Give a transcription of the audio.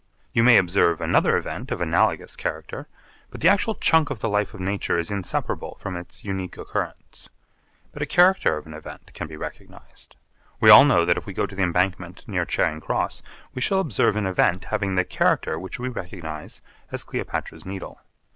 You may observe another event of analogous character, but the actual chunk of the life of nature is inseparable from its unique occurrence. But a character of an event can be recognised. We all know that if we go to the Embankment near Charing Cross we shall observe an event having the character which we recognise as Cleopatra's Needle.